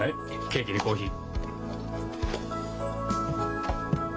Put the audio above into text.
ケーキにコーヒー。